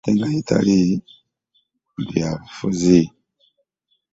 Mbu bannnabyabufuzi bano abaagala ye abalwanire entalo zaabwe ate nga tali mu bya bufuzi.